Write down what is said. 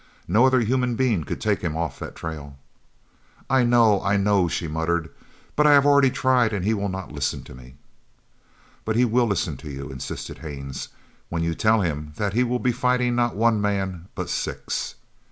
No other human being could take him off that trail." "I know! I know!" she muttered. "But I have already tried, and he will not listen to me!" "But he will listen to you," insisted Haines, "when you tell him that he will be fighting not one man, but six."